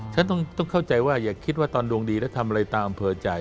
ฉันต้องเข้าใจว่าอย่าคิดว่าตอนดวงดีแล้วทำอะไรตามอำเภอใจ